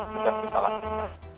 sudah kita lakukan